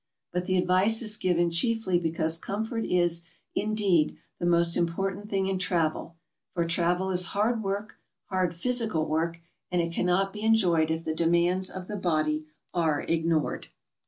But the advice is given chiefly because comfort is, indeed, the most important thing in travel, for travel is hard work, hard physical work, and it cannot be enjoyed if the demands of the body are ignored.